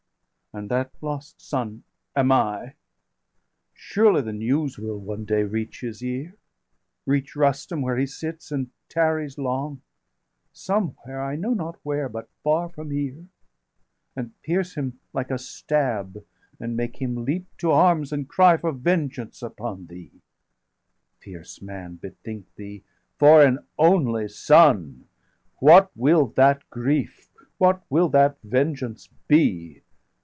and that lost son am I. 580 Surely the news will one day reach his ear, Reach Rustum, where he sits, and tarries long, Somewhere, I know not where, but far from here; And pierce him like a stab, and make him leap To arms, and cry for vengeance upon thee. 585 Fierce man, bethink thee, for an only son! What will that grief, what will that vengeance be?